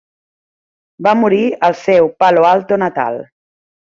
Va morir al seu Palo Alto natal.